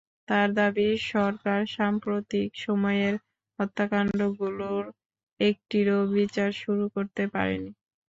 তাঁর দাবি, সরকার সাম্প্রতিক সময়ের হত্যাকাণ্ডগুলোর একটিরও বিচার শুরু করতে পারেনি।